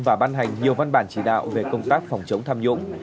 và ban hành nhiều văn bản chỉ đạo về công tác phòng chống tham nhũng